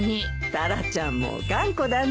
タラちゃんも頑固だね。